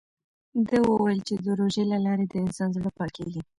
ده وویل چې د روژې له لارې د انسان زړه پاکېږي.